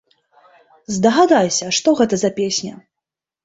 Здагадайся, што гэта за песня.